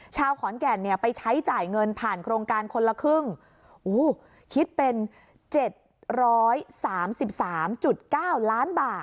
ชาวขอนแก่นเนี่ยไปใช้จ่ายเงินผ่านโครงการคนละครึ่งอู้วคิดเป็นเจ็ดร้อยสามสิบสามจุดเก้าล้านบาท